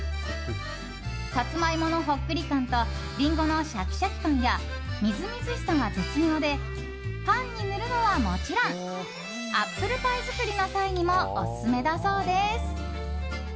サツマイモのほっくり感とリンゴのシャキシャキ感やみずみずしさが絶妙でパンに塗るのはもちろんアップルパイ作りの際にもオススメだそうです。